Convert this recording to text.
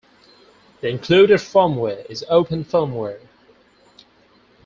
The included firmware is Open Firmware.